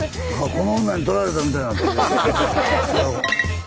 この女に取られたみたいになった。